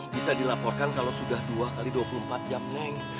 bisa dilaporkan kalau sudah dua x dua puluh empat jam naik